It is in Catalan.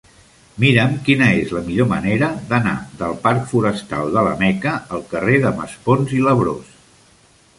Mira'm quina és la millor manera d'anar del parc Forestal de la Meca al carrer de Maspons i Labrós.